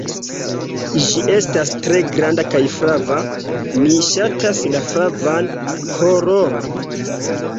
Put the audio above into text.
"Ĝi estas tre granda kaj flava. Mi ŝatas la flavan koloron."